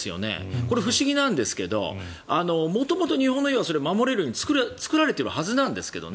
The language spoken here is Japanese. これ、不思議なんですけど元々、日本の家は守れるように作られているはずなんですけどね